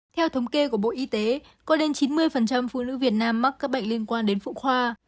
theo thống kê của bộ y tế có đến chín mươi phụ nữ việt nam mắc các bệnh liên quan đến phụ khoa